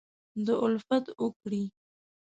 دالفت وکړي